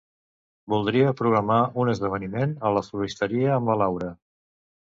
Voldria programar un esdeveniment a la floristeria amb la Laura.